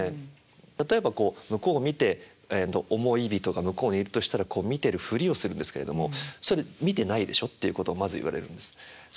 例えばこう向こうを見て思い人が向こうにいるとしたらこう見てるふりをするんですけれども「それ見てないでしょ？」っていうことをまず言われるんです。